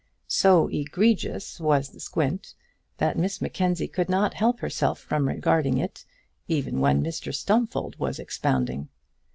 So egregious was the squint that Miss Mackenzie could not keep herself from regarding it, even while Mr Stumfold was expounding.